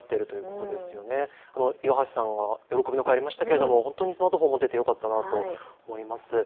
岩橋さんは喜びの声がありましたがスマートフォンを持ててよかったなと思います。